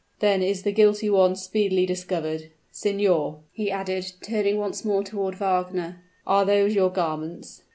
"Then is the guilty one speedily discovered! Signor!" he added, turning once more toward Wagner, "are those your garments?"